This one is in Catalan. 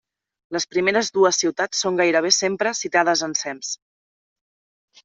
Les primeres dues ciutats són gairebé sempre citades ensems.